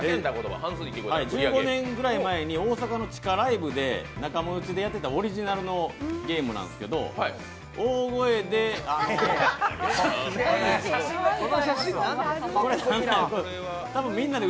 １５年くらい前に大阪の地下ライブで仲間内でやってたオリジナルのゲームなんですけどこの写真、何なの？